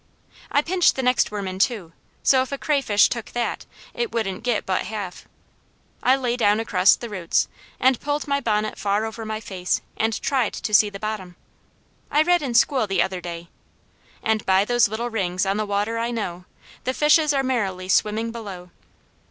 I pinched the next worm in two, so if a crayfish took that, it wouldn't get but half. I lay down across the roots and pulled my bonnet far over my face and tried to see to the bottom. I read in school the other day: "And by those little rings on the water I know The fishes are merrily swimming below."